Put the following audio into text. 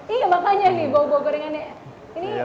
iya makanya nih bau bau gorengannya